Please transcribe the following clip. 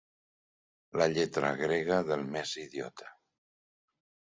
La lletra grega del més idiota.